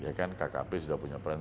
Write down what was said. ya kan kkp sudah punya peran